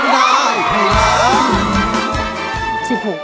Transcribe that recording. กลับร้องได้ครับ